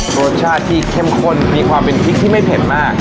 รสชาติที่เข้มข้นมีความเป็นพริกที่ไม่เผ็ดมาก